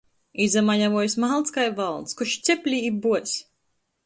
Izamaļavuojs malns kai valns. Koč ceplī i buoz!